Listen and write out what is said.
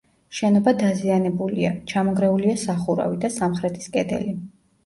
შენობა დაზიანებულია: ჩამონგრეულია სახურავი და სამხრეთის კედელი.